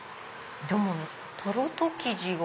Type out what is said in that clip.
でもタルト生地が。